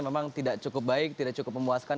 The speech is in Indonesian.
memang tidak cukup baik tidak cukup memuaskan